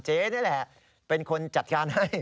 นี่แหละเป็นคนจัดการให้